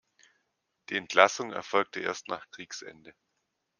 Die Entlassung erfolgte erst nach Kriegsende.